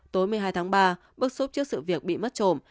tối một mươi hai tháng ba bức xúc trước sự việc bị mất trộm